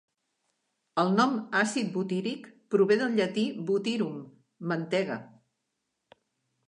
El nom "àcid butíric" prové del llatí "butyrum", mantega.